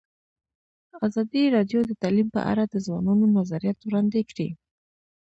ازادي راډیو د تعلیم په اړه د ځوانانو نظریات وړاندې کړي.